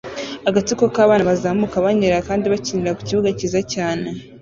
Agatsiko k'abana bazamuka banyerera kandi bakinira ku kibuga cyiza cyane